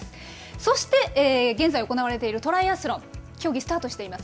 そして現在行われているトライアスロン、競技スタートしています。